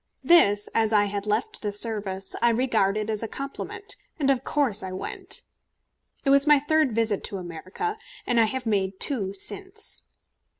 This, as I had left the service, I regarded as a compliment, and of course I went. It was my third visit to America, and I have made two since.